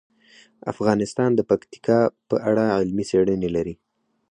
افغانستان د پکتیکا په اړه علمي څېړنې لري.